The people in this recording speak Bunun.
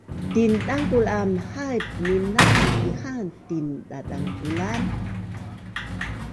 Tindangkul aam haip minaun ihaan tindadangkulan